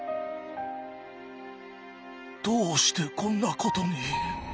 どうしてこんなことに。